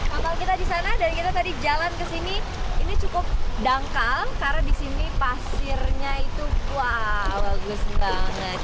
kapal kita di sana dan kita tadi jalan ke sini ini cukup dangkal karena di sini pasirnya itu wow bagus banget